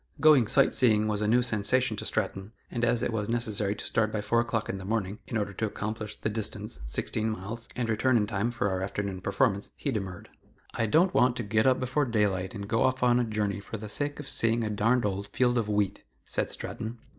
Going sight seeing was a new sensation to Stratton, and as it was necessary to start by four o'clock in the morning, in order to accomplish the distance (sixteen miles) and return in time for our afternoon performance, he demurred. "I don't want to get up before daylight and go off on a journey for the sake of seeing a darned old field of wheat," said Stratton.